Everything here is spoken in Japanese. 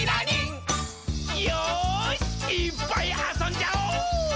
よーし、いーっぱいあそんじゃお！